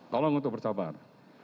tolong untuk bersabar